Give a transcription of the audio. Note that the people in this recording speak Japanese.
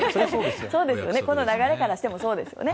この流れからしてもそうですよね。